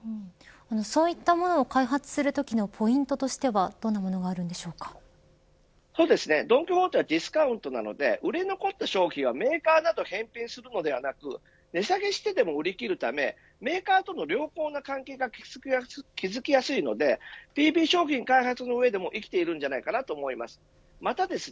そういったものを開発するときのポイントとしてはドン・キホーテはディスカウントなので売れ残った商品はメーカーなどに返品するのではなく値下げしてでも売り切るためメーカーとの良好な関係が築きやすいのでＰＢ商品の開発の上でも生きているのではないかと思います。